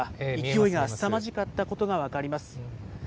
勢いがすさまじかったことが分かります。